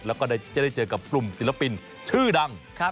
แล้วก็จะได้เจอกับกลุ่มศิลปินชื่อดัง